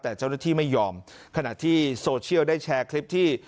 แต่เจ้าหน้าที่ไม่ยอมขณะที่โซเชียลได้แชร์คลิปที่